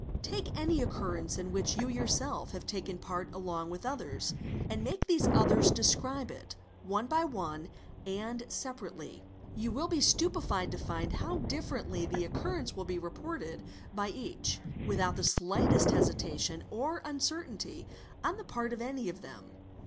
Take ~ any occurrence in which you yourself have taken part along with others, ; and make these others describe it, one by one and separately ; you will _ be stupefied to find how differently the occurrence will be reported by a each, without the shghtest hesitation or uncertainty on the part of any £ 'of them.